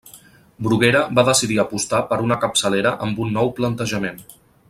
Bruguera va decidir apostar per una capçalera amb un nou plantejament.